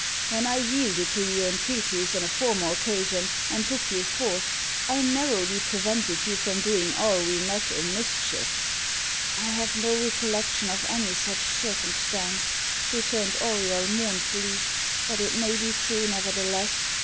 When I yielded to your entreaties on a former occasion, and took you forth, I narrowly prevented you from doing all we met a mischief." "I have no recollection of any such circumstance," returned Auriol mournfully. "But it may be true, nevertheless.